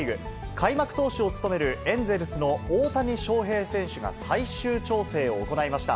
開幕投手を務めるエンゼルスの大谷翔平選手が最終調整を行いました。